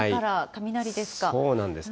そうなんです。